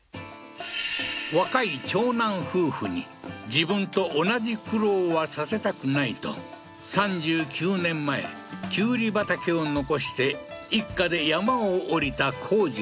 若い長男夫婦に自分と同じ苦労はさせたくないと３９年前きゅうり畑を残して一家で山を下りた幸次郎さん